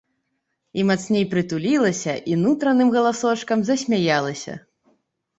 І мацней прытулілася, і нутраным галасочкам засмяялася.